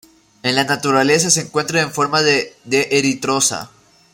En la naturaleza se encuentra en forma de D-eritrosa.